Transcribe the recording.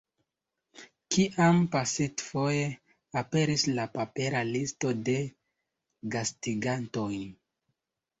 Kiam pasintfoje aperis la papera listo de gastigantoj?